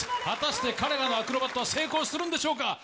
果たして彼らのアクロバットは成功するんでしょうか。